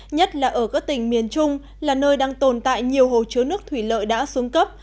nhất là ở các tỉnh miền trung là nơi đang tồn tại nhiều hồ chứa nước thủy lợi đã xuống cấp